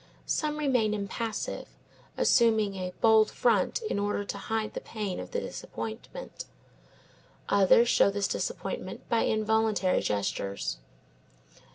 Some remain impassive, assuming a bold front in order to hide the pain of the disappointment; others show this disappointment by involuntary gestures.